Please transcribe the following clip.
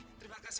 bapak ibu lepasin